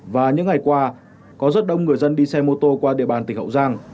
và những ngày qua có rất đông người dân đi xe mô tô qua địa bàn tỉnh hậu giang